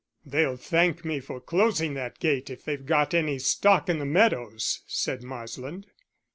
"They'll thank me for closing that gate if they've got any stock in the meadows," said Marsland.